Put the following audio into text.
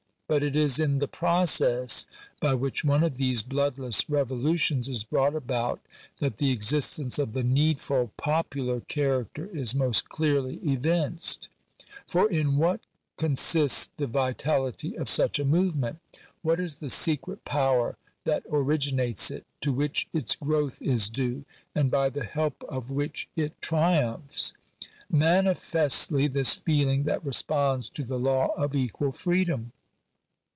But it is in the process by which one of these bloodless revo lutions is brought about that the existence of the needful popular character is most clearly evinced. For in what consists the vitality of such a movement ? What is the secret power that originates it ; to which its growth is due ; and by the help of Digitized by VjOOQIC THE CONSTITUTION OF THE STATE. 247 which it triumphs ? Manifestly this feeling that responds to the law of equal freedom.